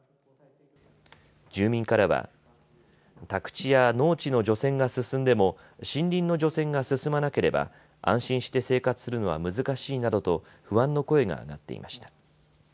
住民からは宅地や農地の除染が進んでも森林の除染が進まなければ安心して生活するのは難しいなどと不安の声が上がっていました。